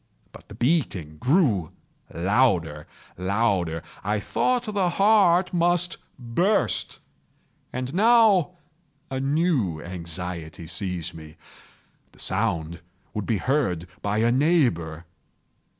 But the beating grew louder, louder! I thought the heart must burst. And now a new anxiety seized me—the sound would be heard by a neighbour!